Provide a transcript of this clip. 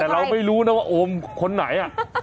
แต่เราไม่รู้นะว่าโอมคนไหน